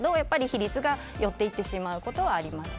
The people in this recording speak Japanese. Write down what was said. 比率が寄っていってしまうことはあります。